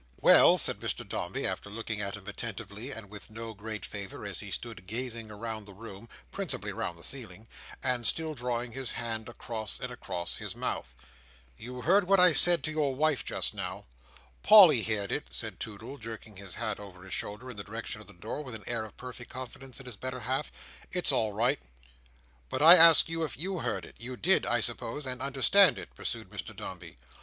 "Well," said Mr Dombey, after looking at him attentively, and with no great favour, as he stood gazing round the room (principally round the ceiling) and still drawing his hand across and across his mouth. "You heard what I said to your wife just now?" "Polly heerd it," said Toodle, jerking his hat over his shoulder in the direction of the door, with an air of perfect confidence in his better half. "It's all right." "But I ask you if you heard it. You did, I suppose, and understood it?" pursued Mr Dombey.